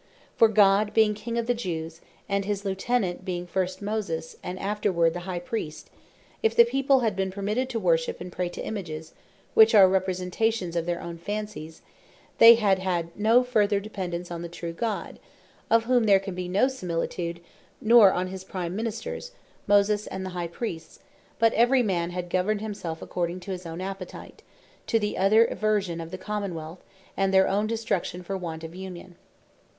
For God being King of the Jews, and his Lieutenant being first Moses, and afterward the High Priest; if the people had been permitted to worship, and pray to Images, (which are Representations of their own Fancies,) they had had no farther dependence on the true God, of whom there can be no similitude; nor on his prime Ministers, Moses, and the High Priests; but every man had governed himself according to his own appetite, to the utter eversion of the Common wealth, and their own destruction for want of Union.